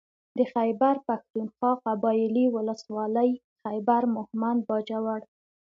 د خېبر پښتونخوا قبايلي ولسوالۍ خېبر مهمند باجوړ